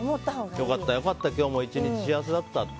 よかったよかった今日も１日幸せだったって。